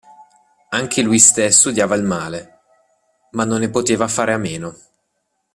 Anche lui stesso odiava il male, ma non ne poteva fare a meno.